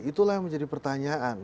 itulah yang menjadi pertanyaan